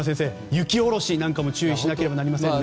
雪下ろしなんかも注意しなければいけませんね。